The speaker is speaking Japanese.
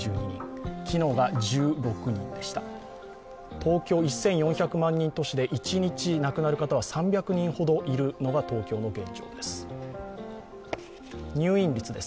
東京、１０００万人都市で一日で亡くなる方は３００人ほどいるのが東京の現状です。